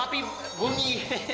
hape ini papi bunyi